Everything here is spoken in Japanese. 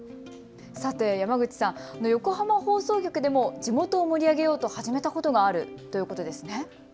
さて、山口さん、横浜放送局でも地元を盛り上げようと始めたことがあるということですよね。